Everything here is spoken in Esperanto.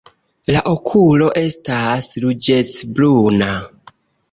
La okulo estas ruĝecbruna.